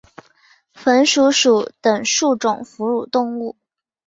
鼢鼠属等数种哺乳动物。